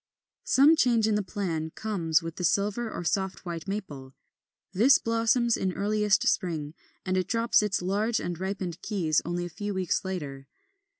22. Some change in the plan comes with the Silver or Soft White Maple. (Fig. 21 25). This blossoms in earliest spring, and it drops its large and ripened keys only a few weeks later.